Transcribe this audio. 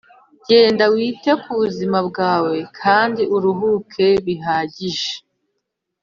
jyenda wite ku buzima bwawe kandi uruhuke bihagije